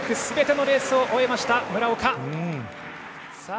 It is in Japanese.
すべてのレースを終えました、村岡。